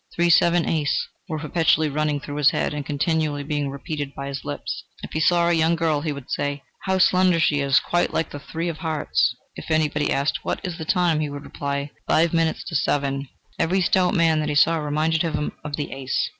"Three, seven, ace," were perpetually running through his head and continually being repeated by his lips. If he saw a young girl, he would say: "How slender she is! quite like the three of hearts." If anybody asked: "What is the time?" he would reply: "Five minutes to seven." Every stout man that he saw reminded him of the ace.